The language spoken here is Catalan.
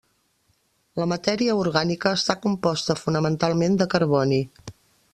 La matèria orgànica està composta fonamentalment de carboni.